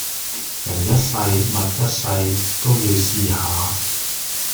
人一世物一世都要試下